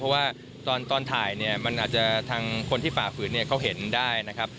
เพราะว่าตอนถ่ายเนี่ยมันอาจจะทางคนที่ฝ่าฝืนเนี่ยเขาเห็นได้นะครับ